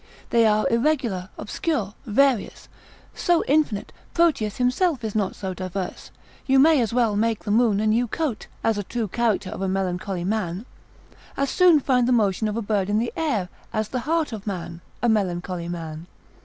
They are irregular, obscure, various, so infinite, Proteus himself is not so diverse, you may as well make the moon a new coat, as a true character of a melancholy man; as soon find the motion of a bird in the air, as the heart of man, a melancholy man.